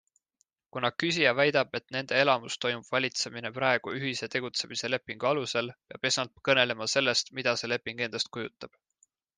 Kuna küsija väidab, et nende elamus toimub valitsemine praegu ühise tegutsemise lepingu alusel, peab esmalt kõnelema sellest, mida see leping endast kujutab.